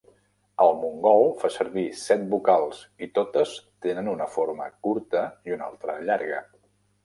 El mongol fa servir set vocals i totes tenen una forma curta i una altra llarga.